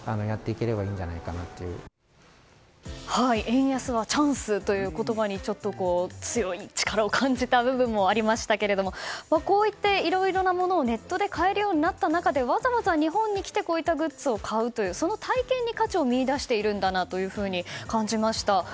円安はチャンスという言葉にちょっと強い力を感じた部分もありましたけれどもこういっていろいろなものをネットで買えるようになった中わざわざ日本に来てこういったグッズを買うその体験に価値を見いだしているんだなと感じました。